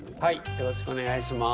よろしくお願いします。